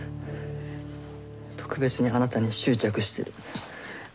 特別にあなたに執着してる。